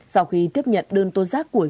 sau khi tiếp nhận đơn tôn giác của cháu